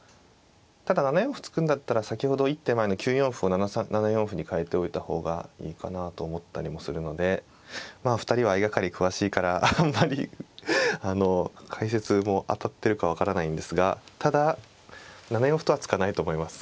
ただ７四歩突くんだったら先ほど一手前の９四歩を７四歩にかえておいた方がいいかなと思ったりもするのでまあ２人は相掛かり詳しいからあんまり解説も当たってるか分からないんですがただ７四歩とは突かないと思います。